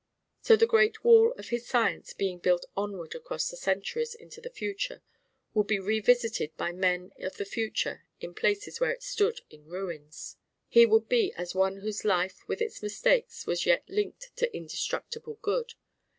So the great wall of his science, being built onward across the centuries into the future, would be revisited by men of the future in places where it stood in ruins. He would be as one whose life with its mistakes was yet linked to indestructible good.